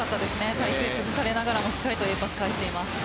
体勢を崩されながらもＡパスを返しています。